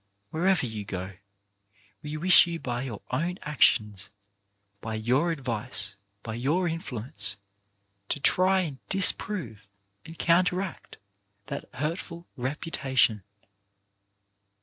Wherever you go, we wish you by your own actions, by your advice, by your influence, to try and disprove and counteract that hurtful reputation.